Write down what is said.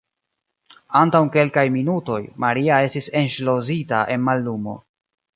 Antaŭ kelkaj minutoj, Maria estis enŝlosita en mallumo.